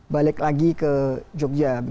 balik lagi ke jogja